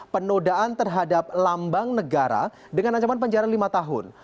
penodaan terhadap lambang negara dengan ancaman penjara lima tahun